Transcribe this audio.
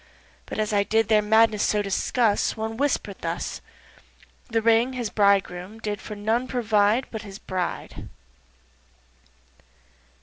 But as I did their madness so discuss One whisper'd thus, "This Ring the Bridegroom did for none provide But for his bride."